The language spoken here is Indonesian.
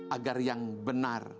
agar yang benar